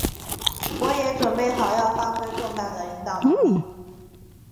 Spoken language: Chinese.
我也准备好要发挥更大的领导能力。